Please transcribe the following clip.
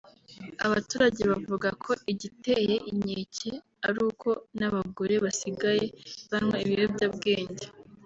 Abaturage bavuga ko igiteye inkeke ari uko n’abagore basigaye banywa ibiyobyabwenge